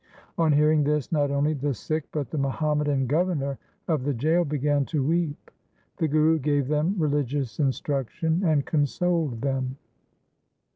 On hearing this not only the Sikh, but the Muhammadan governor of the jail began to weep. The Guru gave them religious instruction, and con soled them.